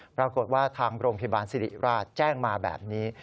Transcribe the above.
ปรากฏว่าทางโรงพยาบาลสิริราชแจ้งมาแบบนี้